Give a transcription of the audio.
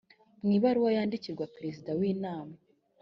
mu ibaruwa yandikirwa perezida w inama